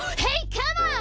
カモン！